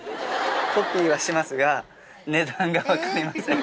「コピーはしますが値段がわかりません」。